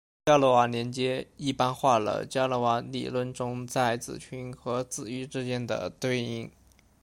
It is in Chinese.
伽罗瓦连接一般化了伽罗瓦理论中在子群和子域之间的对应。